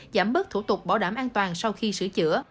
giảm bớt thủ tục bảo đảm an toàn sau khi sửa chữa